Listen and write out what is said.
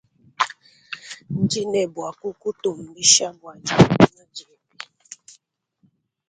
Ndinebuwakukutumbisha bwa dinanga diebe.